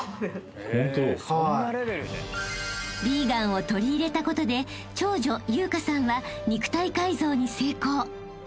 ［ヴィーガンを取り入れたことで長女由夏さんは肉体改造に成功］